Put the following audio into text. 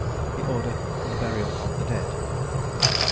THE ORDER FOR THE BURIAL OF THE DEAD.